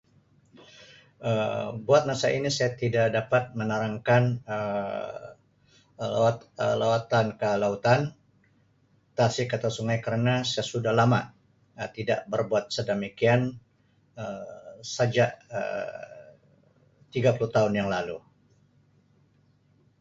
Um Buat masa ini saya tidak dapat menarangkan Um lawa-lawatan ke lautan, tasik atau sungai kerna saya sudah lama Um tidak berbuat sedemikian Um sejak Um tiga puluh tahun yang lalu.